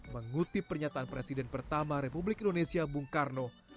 mengutip pernyataan presiden pertama republik indonesia bung karno